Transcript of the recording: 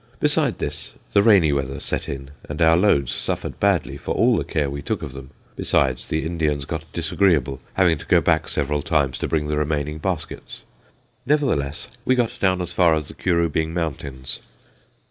Besides this, the rainy weather set in and our loads suffered badly for all the care we took of them. Besides, the Indians got disagreeable, having to go back several times to bring the remaining baskets. Nevertheless, we got down as far as the Curubing mountains.